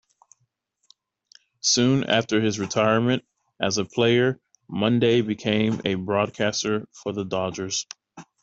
Soon after his retirement as a player, Monday became a broadcaster for the Dodgers.